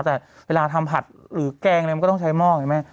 แต่เวลาทำผัดหรือแกงเนี่ยมันก็ต้องใช้หม้อไงแม่